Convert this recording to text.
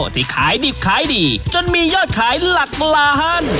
ที่ขายดิบขายดีจนมียอดขายหลักล้าน